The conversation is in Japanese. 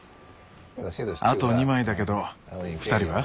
あと２枚だけどふたりは？